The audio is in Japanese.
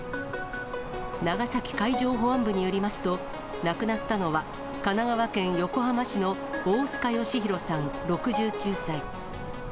長崎海上保安部によりますと、亡くなったのは神奈川県横浜市の大須賀よし浩さん６９歳。